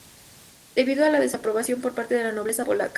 Debido a la desaprobación por parte de la nobleza polaca.